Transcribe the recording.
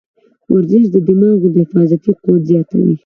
ورزش د دماغو د حافظې قوت زیاتوي.